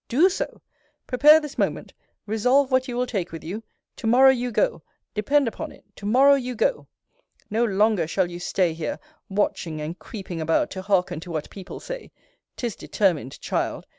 Do so! Prepare this moment resolve what you will take with you to morrow you go depend upon it to morrow you go! No longer shall you stay here, watching and creeping about to hearken to what people say 'Tis determined, child!